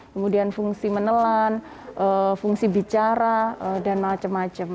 kemudian fungsi menelan fungsi bicara dan macam macam